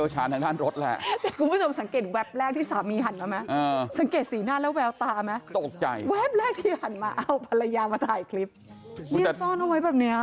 เฮี้ยซ่อนเอาไว้แบบเนี้ย